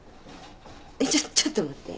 ちょっと待って。